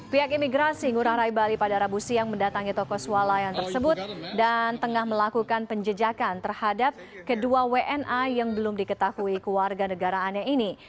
pihak imigrasi ngurah rai bali pada rabu siang mendatangi toko swalayan tersebut dan tengah melakukan penjejakan terhadap kedua wna yang belum diketahui keluarga negaraannya ini